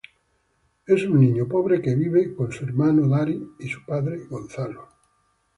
Es un niño pobre que vive con su hermano Dany y su padre Gonzalo.